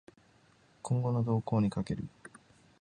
今後の動向に賭ける